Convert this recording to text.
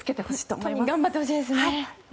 本当に頑張ってほしいですね。